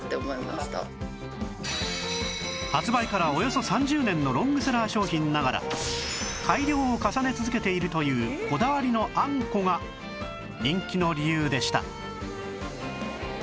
発売からおよそ３０年のロングセラー商品ながら改良を重ね続けているというこだわりのあんこが人気の理由でした